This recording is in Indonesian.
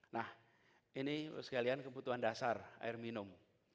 nah ini sekalian kebutuhan dasar air minum